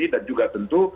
dan juga tentu